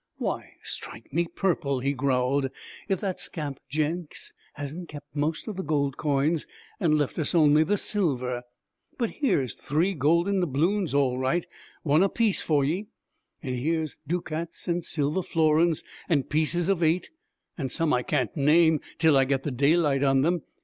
'Why, strike me purple,' he growled, 'if that scamp Jenks hasn't kept most of the gold coins and left us only the silver! But here's three golden doubloons, all right, one apiece for ye! And here's ducats and silver florins, and pieces of eight and some I can't name till I get the daylight on them.